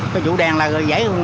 cái trụ đèn là gãy không